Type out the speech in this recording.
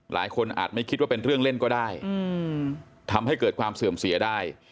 อาจไม่คิดว่าเป็นเรื่องเล่นก็ได้ทำให้เกิดความเสื่อมเสียได้